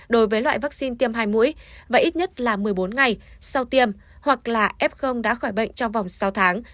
đối với loại vaccine tiêm hai mũi và ít nhất là một mươi bốn ngày sau tiêm hoặc là f đã khỏi bệnh trong vòng sáu tháng